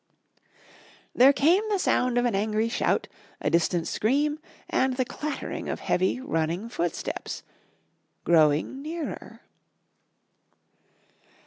There came the sound of an angry shout, a distant scream and the clattering of heavy running footsteps ... growing nearer....